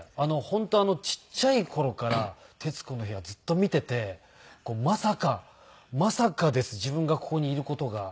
本当ちっちゃい頃から『徹子の部屋』ずっと見ていてまさかまさかです自分がここにいる事が。